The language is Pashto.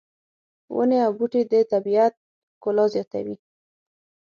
ونې او بوټي د طبیعت ښکلا زیاتوي